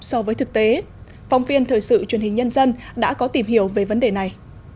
so với thực tế phóng viên thời sự truyền hình nhân dân đã có tìm hiểu về vấn đề này